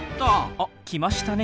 あ来ましたね